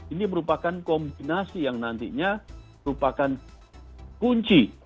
ini merupakan kombinasi yang nantinya merupakan kunci